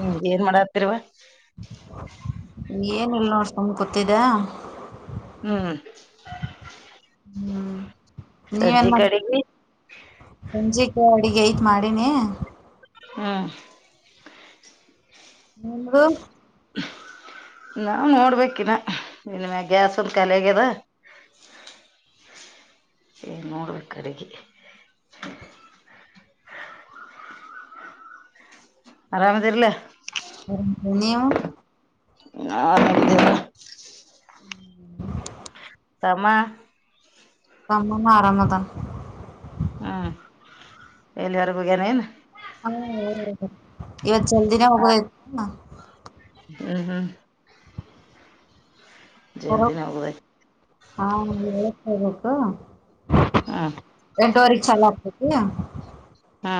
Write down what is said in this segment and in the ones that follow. ಹ್ಮ್ ಏನು ಮಾಡಡಾತರುವರುವ ಏನ ಇಲ್ ನೋಡ್ಕೊಂಡ ಗೊತ್ತಿದ್ದ ಹ್ಮ್ ನೀವನ್ ಸಂಜೆ ಮಾಡ ಕಡೆಗಿ ಸಂಜಕ್ಕೆ ಅಡಿಗೆ ಐತ್ ಮಾಡಿನಿ ಹಾ ಹ ನಾ್ ನೋಡ್ಬೇಕಿನ ಇನ್ಮ ಗ್ಯಾಸ್ ಒಂದ ಕಾಲ ಆಗ್ಯದ [inaudible] ಏ ನೋಡ್ಬೇಕ ಅಡುಗೆ ಆರಾಮ ಆದರ್ಲ ಹ ನೀವು? ಆಡಿದ ಹ್ಮ್ ತಮ್ಮ ತಮ್ಮನ ಆರಾಮದಾ ಹ್ಮ್ ಎಲ್ಲಿ ಹೊರೆಗುಗನ ನು ಇವತ್ತು ಜಲ್ದಿಿನ ಹೋಗಬೇಕ ಹ್ಮ್ ಹ್ಮ್ ಹೊರ ಜಲ್ದಿನ ಹೋಗುದ ಹಾಬೇಕು ಹ್ಮ್ ಎಂಟವರಿಕ್ಷಲ್ಲತ ಹಾ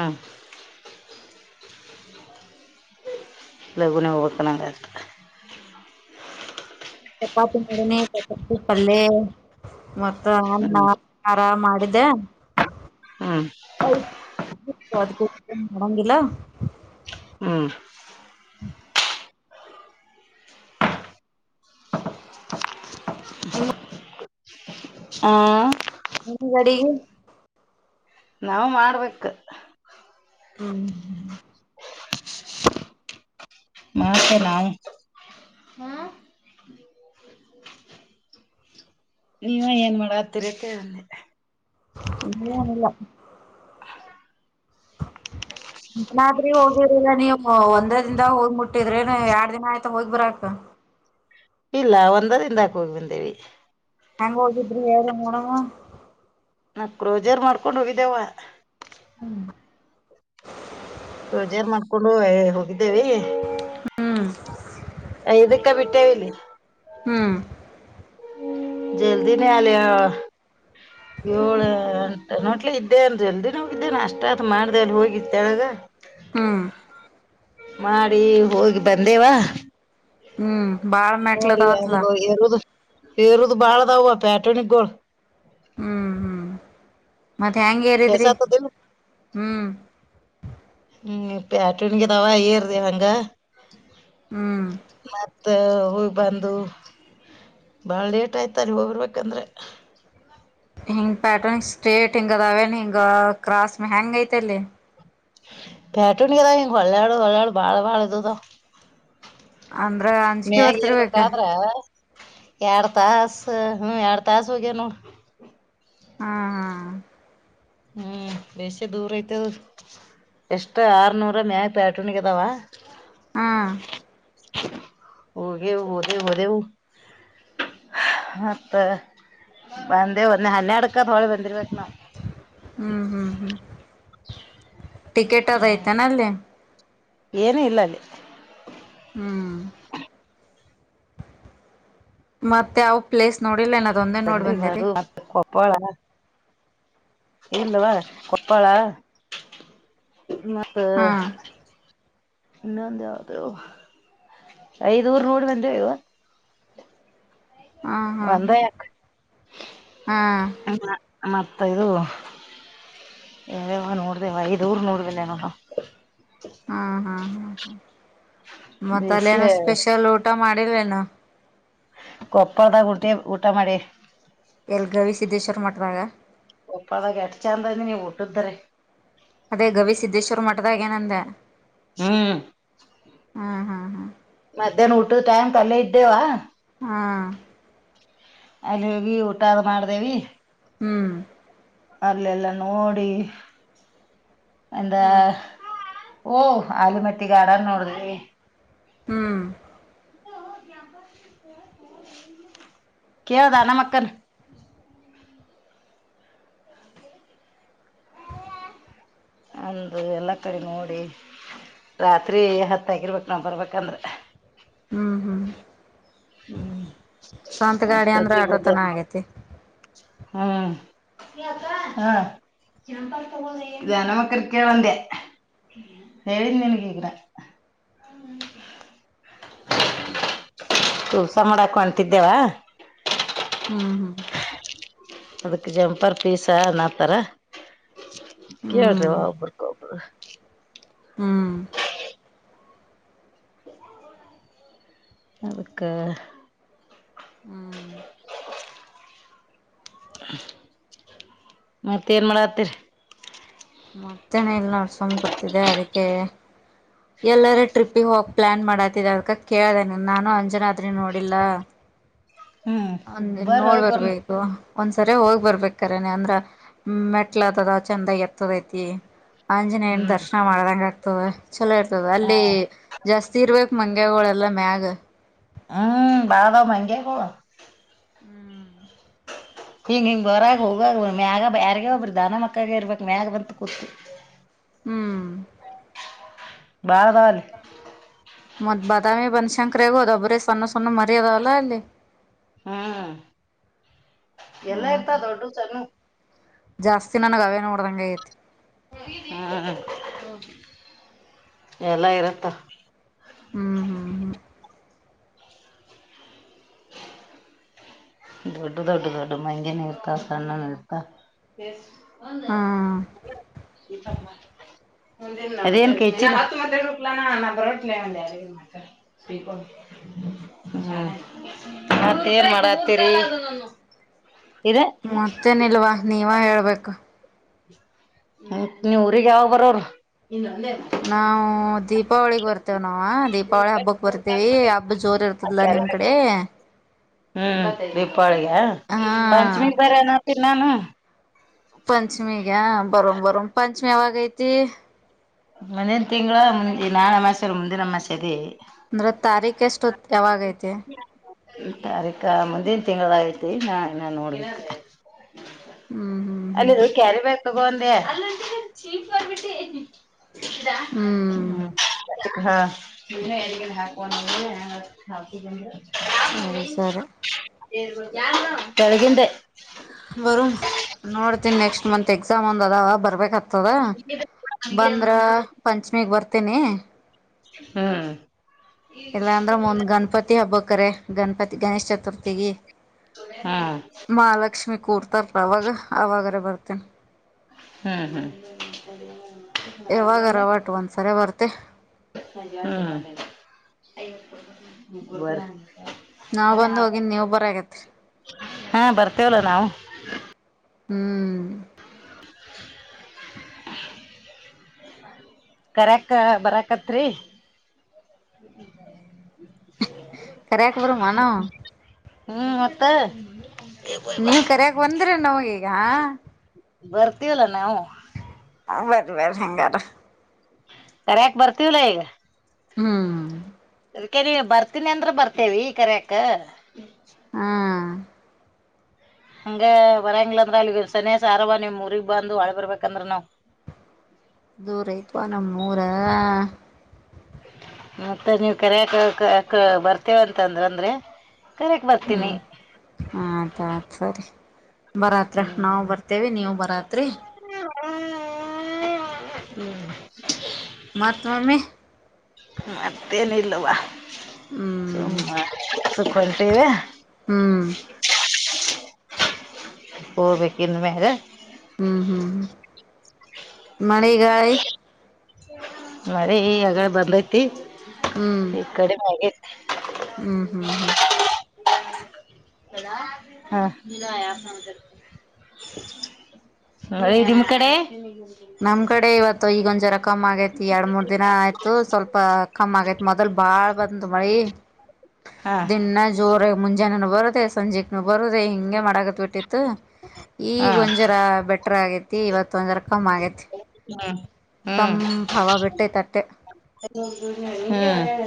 ಲಘುನೇ ಹೋಬಕ ಗತ ಚಪಾತಿ ಮಾಡಿನಿ ಚಪಾತಿ ಪಲ್ಯ ಮತ್ತ ಹ್ಮ್ ಅನ್ನ ಸಾರ ಮಾಡಿ ದಾ ಹ್ಮ್ ಮಂಗಿಲ್ಲ ಹ್ಮ್ ಇಲ್ಲ ಹ ನಿಮ್ಮದ ಅಡಿಗಿ? ನಾಾವವು ಮಾಡ್ಬೇಕು ಹ್ಮ್ ಮಾಸ ನಾವು ನೀವ ಏನ್ ಮಾಡತ್ತೀರ ಕಿ? ಇನಲ್ಲ ನಾದ್ರಿ ಹೋಗಿರಿಲ್ಲ ನೀವು ಒಂದ್ರ ದಿಂದದ ಹೋಗಿ ಮುಟ್ಟಿದ್ರೆ ಎರಡ್ ದಿನ ಆಯ್ತಾ ಹೋಗಿ ಬರಕ್? [inaudible] ಇಲ್ಲ ಒಂದರಿಂದಾಕ ಹೋಗ್ ಬಂದೇವಿ ಹೆಂಗ ಹೋಗಿದ್ರಿ ಯಾರ ನೋಡವ ನಾವು ಕ್ರೋಜರ್ ಮಾಡ್ಕೊಂಡು ಹೋಗಿದ್ದೇವ ಹ್ಮ್ ಹಜೆಯಾರ್ ಮಾಡ್ಕೊಂಡು ಹೋಗಿದ್ದೇವೆ ಹ್ಮ್ ಇದಕ್ಕ ಬಿಟ್ಟೇವಲ್ಲಿ ಹ್ಮ್ ಜಲ್ದಿ ನ ಆಲಯ ಏಳ ಅಂಟ ನೋಟ್ಲ ಇದ್ದೇ ಅನ್ ಎಲ್ದಿನ ಇದ್ದೇನೆ ಅಷ್ಟತ್ ಮಾಡ್ದ ಅಲ್ಲಿ ಹೋಗಿತ್ತಳಗ ಹ್ಮ್ ಮಾಡಿ ಹೋಗಿ ಬಂದೇವಾ ಹ್ಮ್ ಬಾಳ ನೋಡಿ ಮೆಟ್ಲದಾವತ್ಲ ಹಂಗ ಎರುದು‌. ರುದು ಬಾಳದವುುವ ಪ್ಯಾಟ ನಿಗ್ಗೋಳ ಹ್ಮ್ ಹ್ಮ್ ಮತ್ತೆ ಹೆಯಾಂಗಗೆೇರಿದ್ರಿ ಕೆಸತದಿಲ್ಲ ಹ್ಮ್ ಪ್ಯಾಟನಿಗೆ ತಾವ ಐ್ಯರುದ ಹಂಗ ಹ್ಮ್ ಮತ್ತ ಹೋಗ್ ಬಂದು ಬಾಳ ಲೇಟ್ ಆಯ್ತರಿ ಹೋಗರ್ಬೇಕಂದ್ರೆ ಹಿಂಗ್ ಪ್ಯಾಟರ್ನ್ ಸ್ಟ್ರೇಟ್ ಹಿಂಗ ಅದೇನ್ ಹಿಂಗ ಕ್ರಾಸ್ ಹ್ಯಾಂಗ್ ಐತೆಲ್ಲಿ ಬೇಟು ಕದ ಹೊೊಳ್ಳಳು ಹೊಳಳ ಬಾಳ ಬಳದುತ ಅಂದ್ರ ಅಂಜಿಕೆ ಮ್ಯಾಗ ಬರ್ತಿರ್ಬೇಕ ಇರ್ಬೇಕಾದ್ರ ಎಾರ ತಾಸ ಹ್ಮ್ ಎಾರ ತಾಸ ಹಗೆನು ಹ್ಮ ಹಾ ಬೇಸ ದೂರ ಐತದ ಎಷ್ಟ ಆರ್ನೂರ ಮ್ಯಾಗ ಪ್ಯಾಟೂನ್ಗೆ ಅದಾವ ಹಾ ಗೆ ಓದ ದ ಮತ್ತ ಬಂದೆ ಒಂದೆ ಹನ್ನೆ ಅಡ್ಕತ್ ಹೊಳಿ ಬಂದಿರಬೇಕ ಹ್ಮ್ ಹ್ಮ್ ಹ್ಮ್ ಟಿಕೆಟ್ ಅದ ಐತಾನ ಅಲ್ಲಿ ಏನ ಇಲ್ಲ ಅಲ್ಲಿ ಹ್ಮ್ ಮತ್ತೆ ಯಾವ ಪ್ಲೇಸ್ ನೋಡಿಲ್ಲೇನ ಬಂದಿವಾರು ಮತ್ತೆ ಕೊಪ್ಪಳ ಇಲ್ಲವಾ ಕೊಪ್ಪಳಾ ಮತ್ತ ಹಾ ಇ ಯಾದ ಐದಊರು ನೋಡಿ ಬಂದೇವ ಅವ ಹಾ ಹಾ ಒಂದಯ ಹಾ ಹ ಮತ ಇದು ಯಾವವ ನೋಡ್ದೇವ ಐದೂರು ನೋಡ ಬಂದೇವ ನೋಡ ಹಾ ಹಾ ಹಾ ಹಾ ಮತ್ತೆ ಅಲೆ ಬೇಸಿ ಏನ ಸ್ಪೆಷಲ್ ಊಟ ಮಾಡಿರಏನು ಕೊಪ್ಪಳದಾಗ ಹೋಗಿ ಊಟ ಮಾಡಿವ ಎಲ್ಲಿ ಗವಿ ಸಿದ್ದೇಶ್ವರ್ ಮಠದಾಗ ಕೊಪ್ಪಳದಾಗ ಎಟ್ ಚಂದ ಅ ನೀವು ಊಟದ್ದ್ರ ಅದೇ ಗವಿ ಸಿದ್ದೇಶ್ವರ್ ಮಠದಾಗೇನಂದೆ ಹ್ಮ್ ಹಾ ಹಾ ಮಧ್ಯಾಹ್ನ ಊಟದ್ ಟೈಮಕ ಅಲ್ಲೇ ಇದ್ದೇವಾ ಹಾ ಅಲ್ಲಿಹೋಗಿ ಊಟ ಅದ್ ಮಾಡ್ದೇವಿ ಹ್ಮ್ ಅಲ್ಲೆಲ್ಲ ನೋಡಿ ಅಂದ ಹ್ಮ್ ಓಹ್ ಆಲಮಟ್ಟಿಗ ಗಾರ್ಡನ ನೋಡಿದ್ವಿ ಹ್ಮ್ ಕೇಳ್ದೆ ನಮಕ್ಕನ ಅಂದು ಎಲ್ಲಾ ಕಡೆ ನೋಡಿ ರಾತ್ರಿ ಹತ್ತ ಆಗಿರ್ಬೇಕ್ ನಾವ ಬರ್ಬೇಕಂದ್ರ ಹ್ಮ್ ಹ್ಮ್ ಸ್ವಂತಗಾಡಿ ಅಂದ್ರೆ ಅಷ್ಟೊತ್ತಿಗೆ ಬಂದೆ ಆಟೋತನ ಆಗೇತಿ ಹ್ಮ್ ಏ ಅಕ್ಕ ಹ್ಮು ಎಂತಾದ ತೊಗೊಂಡಿ ಗ್ಯಾನಮ್ಮಕ್ಕನ ಕೇಳಂದ ಹೇಳೀನಿ ನಿನಗ ಈಗ [inaudible] ಕುಬಸಾ ಮಾಡಾಕ ಒಂಟಿದ್ದೇವಾ ಹ್ಮ್ ಹ್ಮ್ ಅದಕ್ ಜಂಪರ್ ಪೀಸ ಅನ್ನತರ ಕೇಳ್ರಿ ಹ್ಮ್ ಒಬ್ರಕೋಬ್ರು ಹ್ಮ್ [inaudible] ಅದಕ್ಕ ಹ್ಮ್ ಮತ್ತ ಏನ್ ಮಾಡತ್ತೀರಿ ಮತ್ತೇನೆ ಇಲ್ ನೋಡ ಸುಮ್ಮ ಕುಂತ್ತಿದೆ ಅದಕ್ಕೆ ಎಲ್ಲಾರ ಟ್ರಿಪ್ಪಿಗೆ ಹೋಗ ಪ್ಲನ್ ಮಾಡಕತಿದ ಅದಕ ಕೇಳ್ದೇನ ನಾನು ಅಂಜನಾದ್ರಿ ನೋಡಿಲ್ಲ ಹ್ಮ್ ಒಂದನ್ ಬರ್ ನೋಡ್ ಹೋಗ್ ಬರ್ನ ಬರ್ಬೇಕು ಒಂದ್ಸರಿ ಹೋಗ್ ಬರ್ಬೇಕರನೆ ಅಂದ್ರ ಮೆಟ್ಲ ಅದ ಚಂದಾಗಿ ಇರ್ತದಐತಿ ಆಂಜನೇಯನ ದರ್ಶನ ಮಾಡದಂಗ ಇತ ಚಲೋ ಇರ್ತದ ಹ ಅಲ್ಲಿ ಜಾಸ್ತಿ ಇರ್ಬೇಕ್ ಮಂಗೆಗಳೆಲ್ಲ ಮ್ಯಾಗ ಹ್ಮ್ ಬಳದ ಮಂಗೆಗೂಳೂ ಹ್ಮ್ ಹಿಂಗ ಹಿಂಗ್ ಬರಗ ಹೋಗಗ ಮ್ಯಾಗ ಯಾರಿಗ ಒಬ್ರಿ ದಾನಮಕ್ಕಗ ಇರ್ಬಕ್ ಮ್ಯಾಗ ಬಂತ ಕೂತ್ ಹ್ಮ್ ಬಾಳ ಅದಾವ ಅಲ್ಲಿ ಮತ್ ಬಾದಾಮಿ ಬನಶಂಕರಗ ಅದಾವ ಬರಿ ಸಣ್ಣ ಸಣ್ಣವ ಮರಿ ಅದವ ಅಲ ಅಲ್ಲಿ ಹ್ಮ್ ಎಲ್ಲಾ ಹ್ಮ್ ಇರ್ತವ ದೊಡ್ಡವು ಸಣ್ಣವು ನನ ಅವೇ ನೋಡ್ದಂಗ ಐತಿ ಹ್ಮ್ ಎಲ್ಲಾ ಇರುತ್ತ ಹ್ಮ್ ಹ್ಮ್ ಹ್ಮ್ [unintelligible] [unintelligible] ಡ್ಡ ದೊಡ್ಡ ದೊಡ್ಡ ಮಹಗೆ ನೀಲ್ತ ಸಾನ ನೀಲ್ತ ಒಂದು ಹ್ಮ್ ಬರೋ ಹ ಮತ್ತಏನ್ ಮಾಡ ಸರಿ ಮತ್ತೇನ್ಲ್ವಾ ನೀವ ಹೇಳ್ಬೇಕು ನೀ ಊರಿಗ ಯಾವ ಬರೋರ ನಾವವು ದೀಪಾವಳಿಗ್ ಬರ್ತೇವ ನಾವ ದೀಪಾವಳಿ ಹಬ್ಬಕ್ ಬರ್ತೇವಿ ಹಬ್ಬ ಜೋರ್ ಇರ್ತದಲ ನಿಮ್ ಕಡೆ ಹ್ಮ್ ದೀಪಾವಳಿಗೆ ಹಾ ಪಂಚಮಿ ಬರನೋತ ನಾನು ಪಂಚಮಿ ಗ ಬರೋ ಬರ ಪಂಚಮಿ ಯಾವಾಗ ಐತಿ ಮಂದನ್ ತಿಂಗಳ ನಾಳೆ ಮಾಸ ಮುಂದಿನ ಮಾಸ ಅದೇ ಅಂದ್ರೆ ತಾರೀಖ ಎಷ್ಟು ಯಾವಾಗೈತಿ ತಾರೀಕ ಮುಂದಿನ ತಿಂಗಳಾಯತಿ ನಾ ಇನ್ನ ನೋಡ್ಲಿಕ್ಕೆ ಹ್ಮ್ ಹ್ಮ್ ಅಲ್ಲಿದು ಕ್ಯಾರಿ ಬ್ಯಾಗ ತಗೋಂದೆ ಹ್ಮ್ ಹ್ಮ್ ಹ್ಮ ಹಾ ನೀ ಎಗ ಹಾಕುವ ಹಾತಿದ್ದ ಸರಿ ಸರಿ ಕೆಳಗಂಡೆ ಬರ ನೋಡ್ತನಿ ನೆಕ್ಸ್ಟ ಮಂತ್ ಎಕ್ಸಾಮ್ ಒಂದ್ ಅದ ಬರ್ಬೇಕ ಆತದ ಬಂದ್ರ ಪಂಚಮಿಗ್ ಬರ್ತೀನಿ ಹ್ಮ ಇಲ್ಲಾಂದ್ರ ಮುಂದ್ ಗಣಪತಿ ಹಬ್ಬಕ್ರ ಗಣಪತಿ ಗಣೇಶ್ ಚತುರ್ಥಿಗೆ ಹಾ ಕೂರ್ತ ಅವಾಗ ಅವಾಗಾರ ಬರ್ತೇನ್ ಹ್ಮ್ ಯಾವಾಗಾರ ಒಟ್ ಒಂದ್ಸರಿ ಬರ್ತೆ ಹ್ಮ್ ನಾವ್ ಬಂದ್ ಹ ಹೋಗಿನ್ ನೀವ್ ಬರಾಗತ್ರಿ ಹಾ ಬರ್ತೇವಲ್ಲ ನಾವು ಹ್ಮ್ [unintelligible] ಕರಕ್ಕ ಬರಕತ್ರಿ ಕರಕ ಬರ ಮಾನೋ ಹ್ಞೂ ಹೊತ್ತೆ ನೀವ್ ಕರ್ಯಕ್ ಬಂದ್ರಿ ನಮ್ಗ್ಡಗಗ್ಯ ಬರ್ತೀವಲ್ಲ ನಾವು ಬರ ಬರ್ ಹೆಂಗಾರ ಕರಕ್ ಬರ್ತೀವಲ್ಲ ಈಗಪ ಹ್ಮ್ ಕೆ ಬರ್ತೀನಿ ಅಂದ್ರ ಬರ್ತೇವಿ ಕರ್ಯಾಕ್ ಹಾ ಹಂಗ ಬರಂಗಿಲ್ಲ ಅಂದ್ರ ಅಲ್ಲಿ ಸನ ಆರವ ನಿಮ್ ಊರಿಗ್ ಬಂದು್ ಒಾಳ ಬರ್ಬೇಕಂದ್ರ ನಾವ್ವಊ ದೂರ ಐತವಾ ನಮ್ಮ ಊರ ಮತ್ತ ನೀವ ಕರೆಯಕ್ ಬರ್ತೇವಂತಂದ್ ಅಂದ್ರೆ ಕರ್ಯಾಕ್ ಬರ್ತೀನಿ ಹ್ಮ್ ಆಯತ್ತ್ ಸರಿ ಬರತ್ರ ಹ್ಮ್ ನಾವು ಬರ್ತೇವಿ ನೀವು ನವರಾತ್ರಿ [unintelligible] ಮಹತ್ತ್ವಮ ಮತ್ತೇನಲ್ವಾ ಹ್ಮ್ ಸುಮ್ಮ ಸುಖ ಹೊಂಟೀವ ಹ್ಮ್ ಹೋಬೇಕೇಕಿಂದ ಮೇರೆ ಹ್ಮ್ ಹ್ಮ್ ಹ್ಮ ಮಣಗಾಯ ಮರ ಈ ಯಗಡೆ ಬರ್ಲೈತಿ ಹ್ಮ್ ಈ ಕಡೆ ಮ್ಯಾಗತಿ ಹ್ಮ್ ಹ್ಮ್ ಹ್ಮ್ ಹ ನಿ ಅ ನಿಮ್ ಕಡೆ ನಮ್ ಕಡೆ ಇವತ್ತು ಈಗೊಂದ ಜರ ಕಮ್ಮ್ ಆಗೈತಿ ಎರಡ್ ಮೂರ್ ದಿನ ಆಯ್ತು ಸ್ವಲ್ಪ ಕಮ್ಮ್ ಆಗೈತಿ ಮೊದಲ್ ಬಾಳ್ ಬಂದು ಮಳಿ ಹಾ ದನ್ನ ಜೋರ ಮುಂಜಾನೆ ಬರುದೇ ಸಂಜೆಕ್ನು ಬರುದ ಹಿಂಗೆ ಮಾಡಕತ್ ಬಿಟ್ಟಿತ್ತು ಈ ಹಾ ಗೊಂಜರಾ ಬೆಟ್ಟ ಎಟ ಆಗೈತಿ ಇವತ್ತ ಒಂದ ರ ಕಮ್ ಆಗೈತಿ ಹ್ಮ್ ಹ್ಮ್ ತಂಪ್ ಹವ ಬಿಟ್ಟೈತ್ ಅಟ್ಟೆ ಹ್ಮ್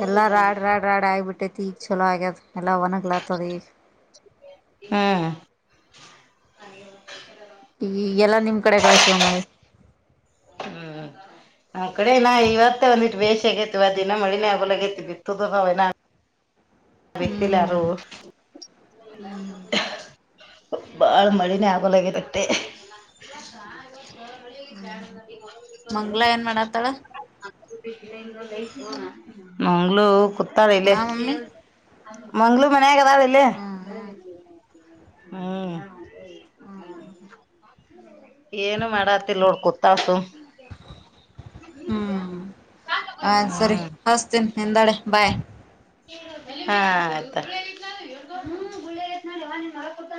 ಎಲ್ಲ ರಾಡ್ ರಾಡ್ ರಾಡ್ ಆಗಬಿಟ್ಟೈತಿ ಈಗ ಚಲೋ ಆಗ್ಯದ್ ಎಲ್ಲ ಒಣಗ್ಲಾತದ ಈಗ ಹ್ಮ್ ಈಗೆಲ್ಲ ನಿಮ್ ಕಡೆ ಕಳ ಶಿವ ಮಾಡಿ. ನ್ ಕಡೆ ನ ಇವತ್ತೇ ಒಂದಿು ಬೇೇಶ ಆಗೇತಿವ ದಿನ ಮಳಿನೇ ಆಗಲಗೇತಿ ಬಿತ್ತು ನಾವ ವತ್ತಲ ಹ್ಮ್ ಅರ ಹ್ಮ್ ಬಾಳ ಮಾಡಿ ಆಗೋಲಗೆ ತತೆ ಹ್ಮ್ ಮಂಗ್ಲಾ ಏನ್ ಮಾಡತ್ತಾಳ [unintelligible] ಮಂಗ್ಳೂ ಕುತಡಲ್ಲ ಹಾ ಮಮ್ಮಿ ಮಂಗ್ಳೂ ಮ ಮಗದಲ್ಲಿ ಹ್ಮ್ ಹ್ಮ್ ಹ್ಮ್ ಏನು ಮಾಡತಿಲ್ಲ ನೋಡ್ ಕೂತಾಸು ಹ್ಮ್ ಆ ಸರಿ ಹ್ಮ್ ಹಸ್ತೇನೆಿ ಎಂತಡ ಬಾಯ್ ಹಾ್ಯ್ತಾ